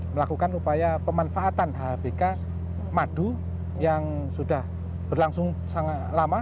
melakukan upaya pemanfaatan hbk madu yang sudah berlangsung sangat lama